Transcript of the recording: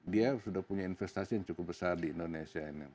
dia sudah punya investasi yang cukup besar di indonesia ini